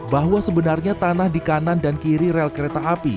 bahwa sebenarnya tanah di kanan dan kiri rel kereta api